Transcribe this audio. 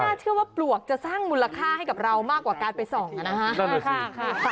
เชื่อว่าปลวกจะสร้างมูลค่าให้กับเรามากกว่าการไปส่องนะฮะ